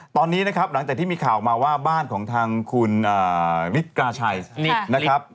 ตอนนี้นะครับหลังจากที่มีข่าวมาว่าบ้านของทางคุณมิตราชัยนะครับ